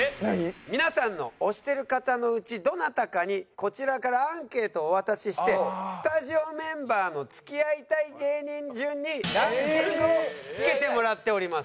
皆さんの推してる方のうちどなたかにこちらからアンケートをお渡ししてスタジオメンバーの付き合いたい芸人順にランキングをつけてもらっております。